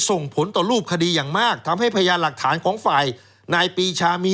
ส่งผลต่อรูปคดีอย่างมากทำให้พยานหลักฐานของฝ่ายนายปีชามี